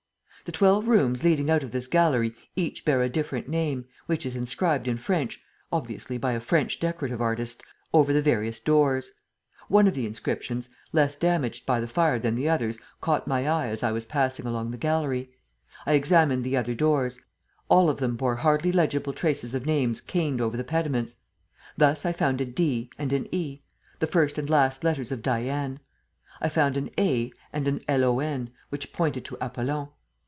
The twelve rooms leading out of this gallery each bear a different name, which is inscribed in French obviously by a French decorative artist over the various doors. One of the inscriptions, less damaged by the fire than the others, caught my eye as I was passing along the gallery. I examined the other doors: all of them bore hardly legible traces of names caned over the pediments. Thus I found a 'D' and an 'E' the first and last letters of 'Diane.' I found an 'A' and 'LON' which pointed to 'Apollon.'